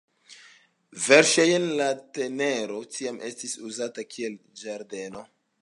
Verŝajne la tereno tiam estis uzata kiel ĝardeno.